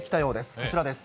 こちらです。